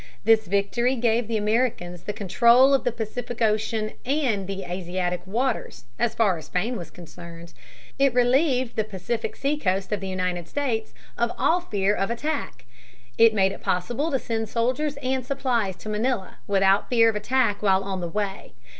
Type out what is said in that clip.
This victory gave the Americans the control of the Pacific Ocean and the Asiatic waters, as far as Spain was concerned. It relieved the Pacific seacoast of the United States of all fear of attack. It made it possible to send soldiers and supplies to Manila, without fear of attack while on the way.